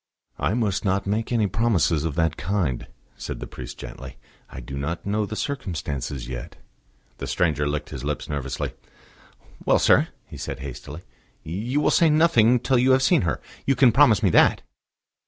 "I must not make any promise of that kind," said the priest gently. "I do not know the circumstances yet." The stranger licked his lips nervously. "Well, sir," he said hastily, "you will say nothing till you have seen her? You can promise me that."